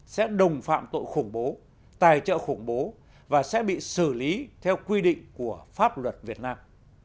sẽ đồng phạm tội khủng bố tài trợ khủng bố và sẽ bị xử lý theo quy định của pháp luật việt nam